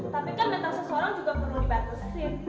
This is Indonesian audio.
tapi kan pentas seseorang juga perlu dibantuin